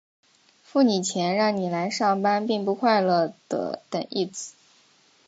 付你钱让你来上班并不快乐的等义词。